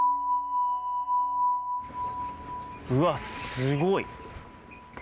うわっすごい。